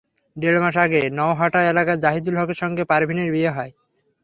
দেড় মাস আগে নওহাটা এলাকার জাহিদুল হকের সঙ্গে পারভীনের বিয়ে হয়।